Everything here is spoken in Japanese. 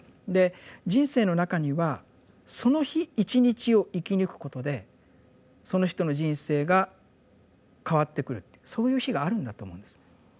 で人生の中にはその日一日を生き抜くことでその人の人生が変わってくるっていうそういう日があるんだと思うんです。